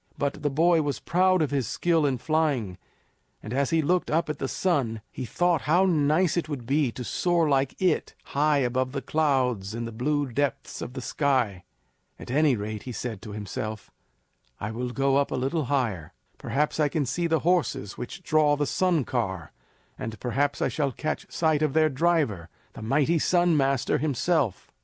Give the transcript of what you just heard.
But the boy was proud of his skill in flying, and as he looked up at the sun he thought how nice it would be to soar like it high above the clouds in the blue depths of the sky. "At any rate," said he to himself, "I will go up a little higher. Perhaps I can see the horses which draw the sun car, and perhaps I shall catch sight of their driver, the mighty sun master himself."